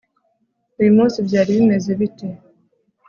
uyu munsi byari bimeze bite